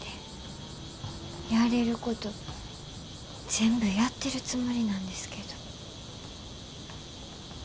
やれること全部やってるつもりなんですけど。